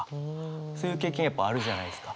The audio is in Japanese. そういう経験やっぱあるじゃないですか。